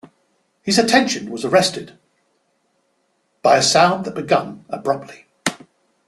His attention was arrested by a sound that began abruptly.